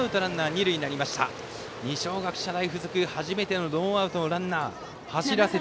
二松学舎大付属初めてのノーアウトのランナー。